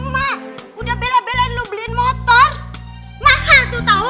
mak udah bela belain lu beliin motor mahal tuh tau